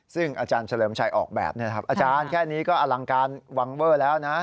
ซึ่งอาจารย์เฉลิมชัยออกแบบนี้นะครับอาจารย์แค่นี้ก็อลังการวังเวอร์แล้วนะ